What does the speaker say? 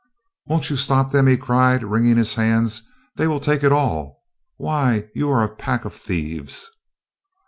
"Won't you stop them," he cried, wringing his hands; "they will take it all! Why, you are a pack of thieves!"